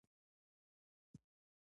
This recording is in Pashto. د ناروغۍ په وخت کې چټک اقدام کوي.